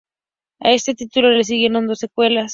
A este título le siguieron dos secuelas.